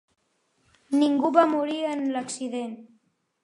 Ningú va morir en l'accident.